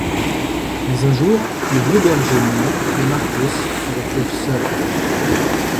Mais un jour, le vieux berger meurt et Marcos se retrouve seul.